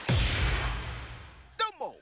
どーも！